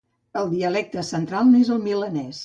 El dialecte central n'és el milanès.